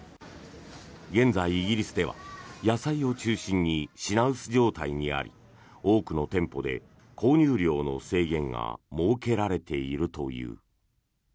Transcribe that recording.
現在、イギリスでは野菜を中心に品薄状態にあり多くの店舗で購入量の制限が設けられているという。